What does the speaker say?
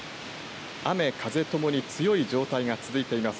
雨風ともに強い状態が続いています。